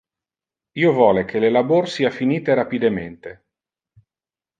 Io vole que le labor sia finite rapidemente.